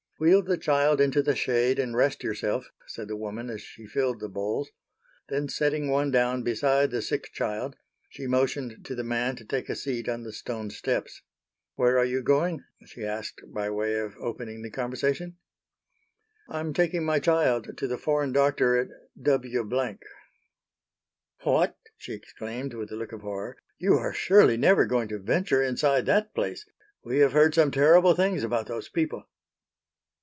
"Wheel the child into the shade and rest yourself," said the woman as she filled the bowls; then setting one down beside the sick child, she motioned to the man to take a seat on the stone steps. "Where are you going," she asked by way of opening the conversation. "I'm taking my child to the foreign doctor at W——." "What!" she exclaimed, with a look of horror, "you are surely never going to venture inside that place! We have heard some terrible things about those people."